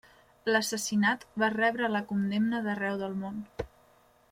L'assassinat va rebre la condemna d'arreu del món.